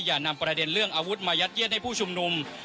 อย่านำประเด็นเรื่องอาวุธมายัดเยียดให้ผู้ชุมนุม